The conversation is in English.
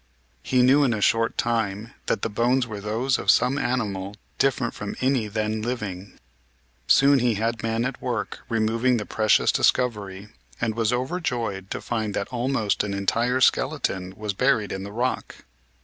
He knew in a short time that the bones were those of some animal different from any then living. Soon he had men at work removing the precious discovery and was overjoyed to find that almost an entire skeleton was buried in the rock.